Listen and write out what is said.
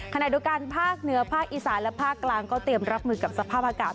ขณะเดียวกันภาคเหนือภาคอีสานและภาคกลางก็เตรียมรับมือกับสภาพอากาศ